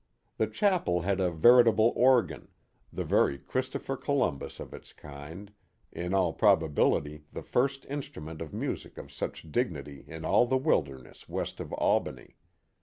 The chapel had a veritable organ, the very Christopher Columbus of its kind, in all probability the first instrument of music of such dignity in all the wilderness west of Albany.